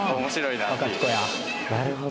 なるほど。